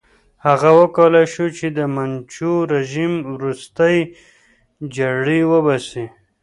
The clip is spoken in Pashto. هغه وکولای شو چې د منچو رژیم ورستۍ جرړې وباسي.